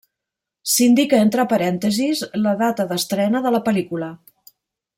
S’indica entre parèntesis la data d’estrena de la pel·lícula.